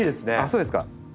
そうですか。